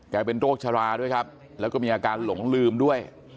เป็นโรคชะลาด้วยครับแล้วก็มีอาการหลงลืมด้วย